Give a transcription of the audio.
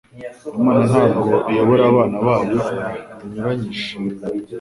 Imana ntabwo iyobora abana bayo binyuranije